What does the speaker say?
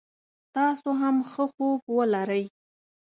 تاسو هم ښه خوب ولری